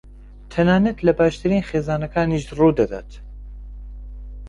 تەنانەت لە باشترین خێزانەکانیش ڕوودەدات.